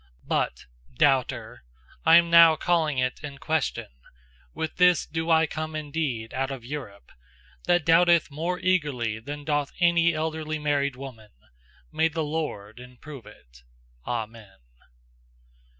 But doubter, I'm now calling it In question: with this do I come indeed Out of Europe, That doubt'th more eagerly than doth any Elderly married woman. May the Lord improve it! Amen.